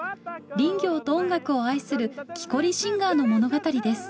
林業と音楽を愛する木こりシンガーの物語です。